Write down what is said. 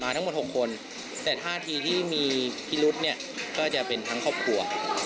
ทั้งหมด๖คนแต่ท่าทีที่มีพิรุธเนี่ยก็จะเป็นทั้งครอบครัว